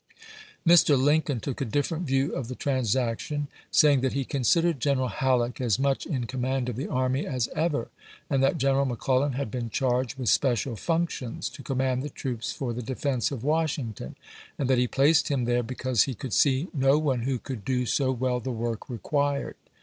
Mr. Lincoln took a different view of the transaction, saying that he considered Gen eral Halleck as much in command of the army as ever, and that General McClellan had been charged with special functions, to command the troops for the defense of Washington, and that he placed him there because he could see no one who could do so well the work required.